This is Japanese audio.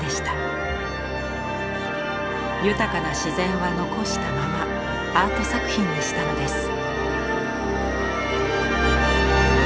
豊かな自然は残したままアート作品にしたのです。